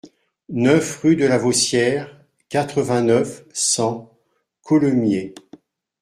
neuf rue de la Vossière, quatre-vingt-neuf, cent, Collemiers